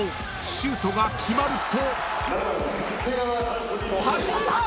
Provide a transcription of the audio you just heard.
［シュートが決まると］